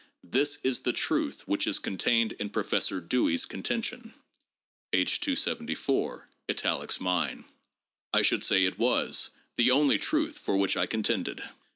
This is the truth which is contained in Professor Dewey' s contention" (p. 274, italics mine). I should say it was; the only truth for which I contended.